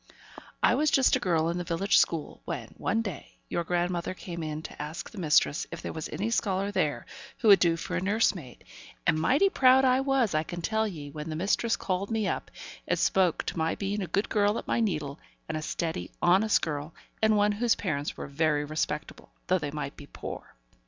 I was just a girl in the village school, when, one day, your grandmother came in to ask the mistress if there was any scholar there who would do for a nurse maid; and mighty proud I was, I can tell ye, when the mistress called me up, and spoke of me being a good girl at my needle, and a steady, honest girl, and one whose parents were very respectable, though they might be poor.